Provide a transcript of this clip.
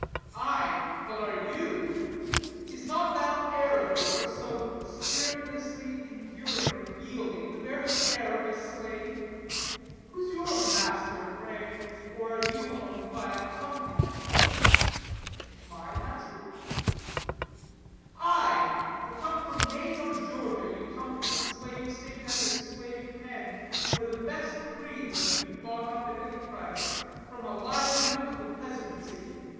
"Aye, but are you? Is not that air of yours, so spiritlessly enduring and yielding, the very air of a slave? Who is your master, pray; or are you owned by a company?" "My master?" "Aye, for come from Maine or Georgia, you come from a slave state, and a slave pen, where the best breeds are to be bought up at any price from a livelihood to the Presidency.